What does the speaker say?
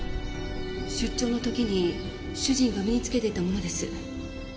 出張の時に主人が身につけていたものです。